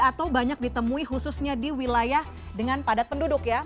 atau banyak ditemui khususnya di wilayah dengan padat penduduk ya